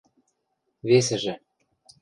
Весӹжӹ: